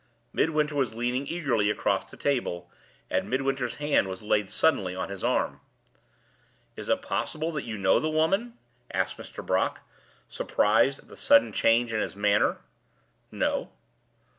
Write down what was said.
Midwinter was leaning eagerly across the table, and Midwinter's hand was laid suddenly on his arm. "Is it possible that you know the woman?" asked Mr. Brock, surprised at the sudden change in his manner. "No."